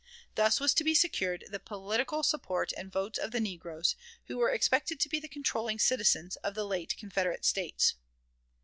Thus was to be secured the political support and votes of the negroes, who were expected to be the controlling citizens of the late Confederate States.